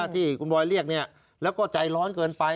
ที่คุณบอยเรียกแล้วก็ใจร้อนเกินไป